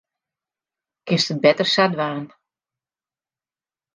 Kinst it better sa dwaan.